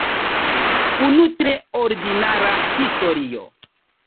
Unu tre ordinara historio.